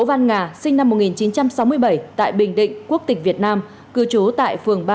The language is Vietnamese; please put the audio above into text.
phan ngà sinh năm một nghìn chín trăm sáu mươi bảy tại bình định quốc tịch việt nam cư trú tại phường ba